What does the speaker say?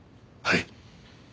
はい。